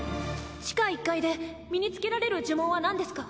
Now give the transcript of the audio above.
地下１階で身につけられる呪文は何ですか？